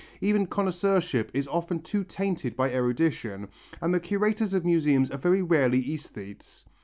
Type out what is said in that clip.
Even connoisseurship is often too tainted by erudition, and the curators of museums are very rarely æsthetes.